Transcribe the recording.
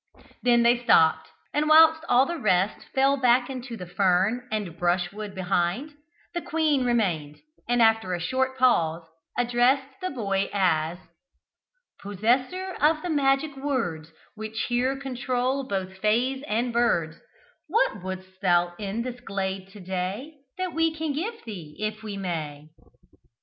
Then they stopped, and whilst all the rest fell back into the fern and brushwood behind, the queen remained, and after a short pause, addressed the boy as follows: "Possessor of the magic words Which here control both fays and birds: What would'st thou in this glade to day, That we can give thee if we may?"